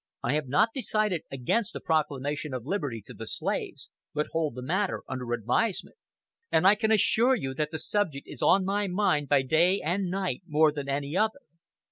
I have not decided against a proclamation of liberty to the slaves; but hold the matter under advisement. And I can assure you that the subject is on my mind by day and night more than any other.